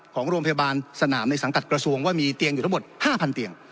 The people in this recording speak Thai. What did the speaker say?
ของโรงพยาบาลสนามในสังกัดกระทรวงว่ามีเตียงอยู่ทั้งหมด๕๐๐เตียง